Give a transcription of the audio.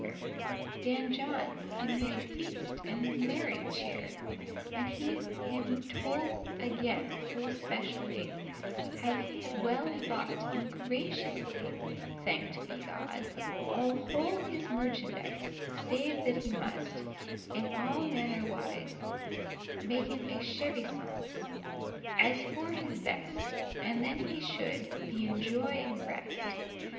* *company Dan John him made feast and merry cheer; And he him told again full specially, How he had well y bought and graciously (Thanked be God) all whole his merchandise; Save that he must, in alle manner wise, Maken a chevisance, as for his best; And then he shoulde be in joy and rest.